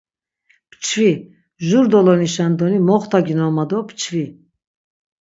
Pçvi, jur dolonişen doni moxtaginon mado pçvi.